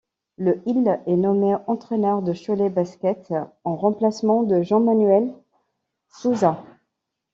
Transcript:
Le il est nommé entraîneur de Cholet Basket en remplacement de Jean-Manuel Sousa.